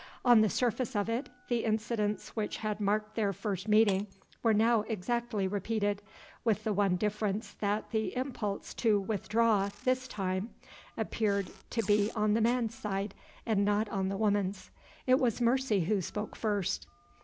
On the surface of it, the incidents which had marked their first meeting were now exactly repeated, with the one difference that the impulse to withdraw this time appeared to be on the man's side and not on the woman's. It was Mercy who spoke first.